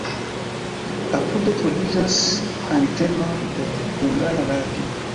Apude troviĝas antenoj de Hungara Radio.